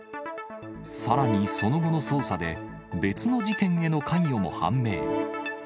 さらにその後の捜査で、別の事件への関与も判明。